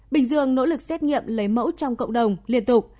bình dương nỗ lực xét nghiệm lấy mẫu trong cộng đồng liên tục